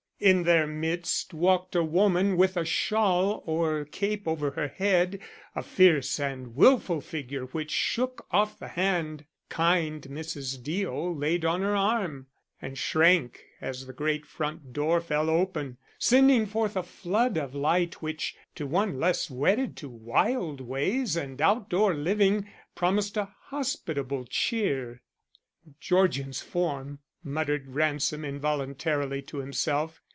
In their midst walked a woman with a shawl or cape over her head a fierce and wilful figure which shook off the hand kind Mrs. Deo laid on her arm, and shrank as the great front door fell open, sending forth a flood of light which, to one less wedded to wild ways and outdoor living, promised a hospitable cheer. "Georgian's form!" muttered Ransom involuntarily to himself.